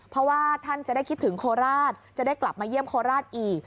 เพราะว่าท่านจะได้คิดถึงโคราชจะได้กลับมาเยี่ยมโคราชอีก